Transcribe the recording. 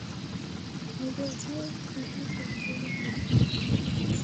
Nighorie ijhi kwasow'a kilambo chingi.